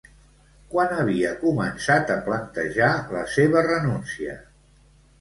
Quan havia començat a plantejar la seva renúncia?